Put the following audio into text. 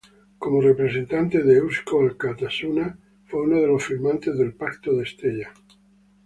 Como representante de Eusko Alkartasuna fue uno de los firmantes del Pacto de Estella.